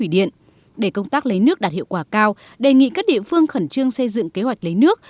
để công tác lấy nước đạt hiệu quả cao đề nghị các địa phương khẩn trương xây dựng kế hoạch lấy nước